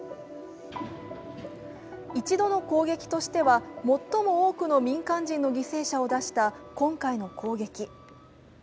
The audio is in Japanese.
一度の攻撃としては最も多くの民間人の犠牲を出した今回の攻撃。